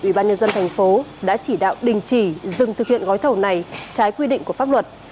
ủy ban nhân dân thành phố đã chỉ đạo đình chỉ dừng thực hiện gói thầu này trái quy định của pháp luật